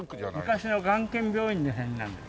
昔の癌研病院の辺なんです。